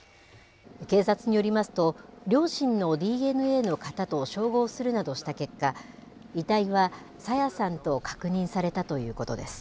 警察によりますと、両親のＤＮＡの型と照合するなどした結果、遺体は朝芽さんと確認されたということです。